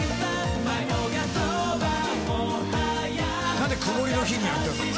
何で曇りの日にやってるの？